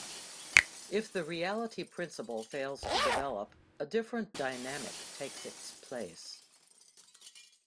If the reality principle fails to develop, a different dynamic takes its place.